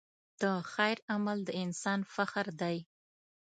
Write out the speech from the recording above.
د خیر عمل د انسان فخر دی.